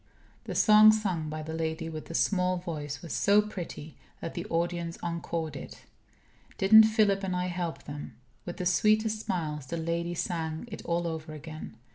The song sung by the lady with the small voice was so pretty that the audience encored it. Didn't Philip and I help them! With the sweetest smiles the lady sang it all over again.